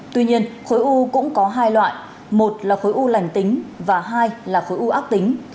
tuy nhiên khối u cũng có hai loại một là khối u lành tính và hai là khối u ác tính